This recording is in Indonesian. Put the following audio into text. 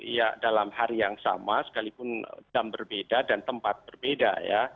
ya dalam hari yang sama sekalipun jam berbeda dan tempat berbeda ya